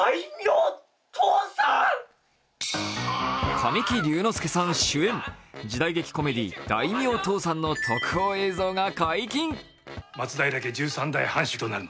神木隆之介さん主演、時代劇コメディー「大名倒産」の特報映像が解禁。